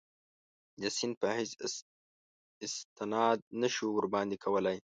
د سند په حیث استناد نه شو ورباندې کولای.